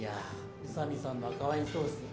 宇佐美さんの赤ワインソース